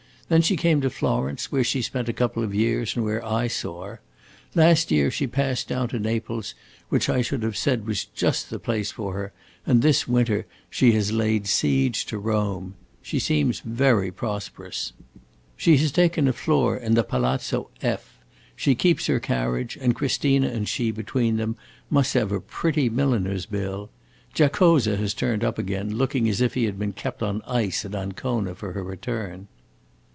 Then she came to Florence, where she spent a couple of years and where I saw her. Last year she passed down to Naples, which I should have said was just the place for her, and this winter she has laid siege to Rome. She seems very prosperous. She has taken a floor in the Palazzo F , she keeps her carriage, and Christina and she, between them, must have a pretty milliner's bill. Giacosa has turned up again, looking as if he had been kept on ice at Ancona, for her return."